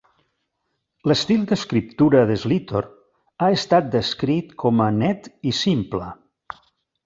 L'estil d'escriptura de Sleator ha estat descrit com a net i simple.